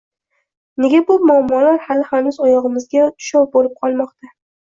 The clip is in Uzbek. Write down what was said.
Nega bu muammolar hali-hanuz oyog‘imizga tushov bo‘lib qolmoqda?